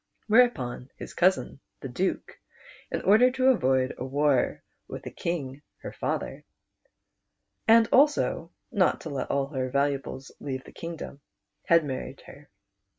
Whereupon his cousin the Duke, in order to a\oid a war with the King her father, and also not to let all her valuables leave the kingdom, had married her.